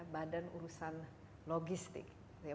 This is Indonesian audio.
badan urusan logistik